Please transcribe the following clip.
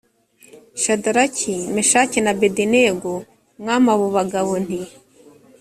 shadaraki meshaki na abedenego mwami abo bagabo nti